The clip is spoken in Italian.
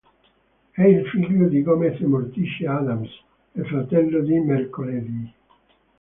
È il figlio di Gomez e Morticia Addams e fratello di Mercoledì.